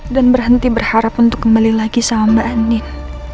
dan berhenti berharap untuk kembali lagi sama mbak anin